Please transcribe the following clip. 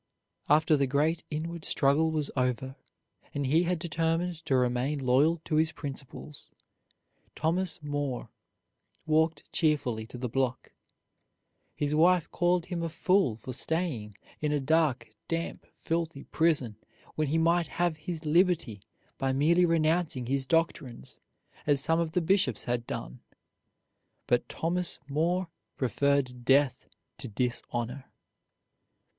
After the great inward struggle was over, and he had determined to remain loyal to his principles, Thomas More walked cheerfully to the block. His wife called him a fool for staying in a dark, damp, filthy prison when he might have his liberty by merely renouncing his doctrines, as some of the bishops had done. But Thomas More preferred death to dishonor.